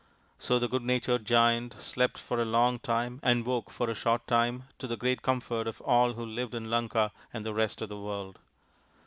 So the good natured Giant slept for a long time and woke for a short time, to the great comfort of all who lived in Lanka and the rest of the world.